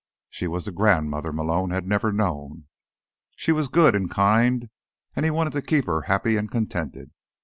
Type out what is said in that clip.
She was the grandmother Malone had never known; she was good, and kind, and he wanted to keep her happy and contented.